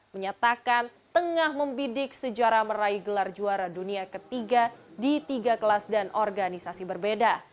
menyatakan tengah membidik sejarah meraih gelar juara dunia ketiga di tiga kelas dan organisasi berbeda